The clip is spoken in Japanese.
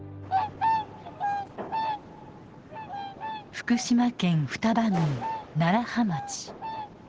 福島県双葉郡楢葉町。